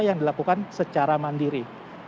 yang dilakukan secara mandiri